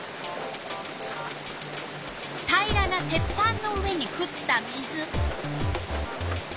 平らな鉄板の上にふった水。